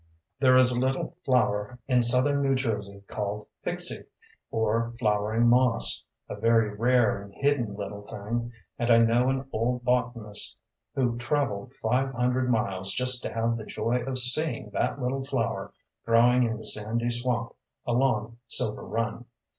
There is a little flower in southern New Jersey called pyxie, or flowering moss, a very rare and hidden little thing; and I know an old botanist who traveled five hundred miles just to have the joy of seeing that little flower growing in the sandy swamp along Silver Run.